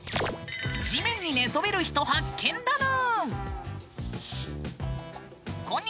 地面に寝そべる人発見だぬーん！